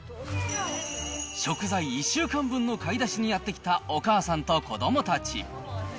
食材１週間分の買い出しにやって来たお母さんと子どもたち。